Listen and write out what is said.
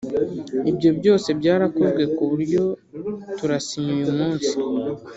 ibyo byose byarakozwe ku buryo turasinya uyu munsi